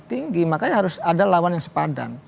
tinggi makanya harus ada lawan yang sepadan